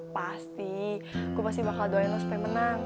pasti gue pasti bakal doain lo supaya menang